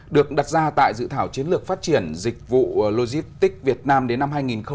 được đặt ra tại dự thảo chiến lược phát triển dịch vụ logistics việt nam đến năm hai nghìn ba mươi